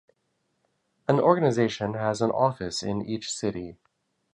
An organisation has an office in each city.